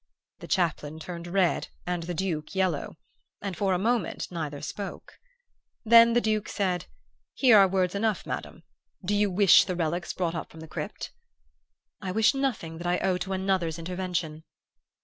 "The chaplain turned red and the Duke yellow, and for a moment neither spoke. "Then the Duke said, 'Here are words enough, Madam. Do you wish the relics brought up from the crypt?' "'I wish nothing that I owe to another's intervention!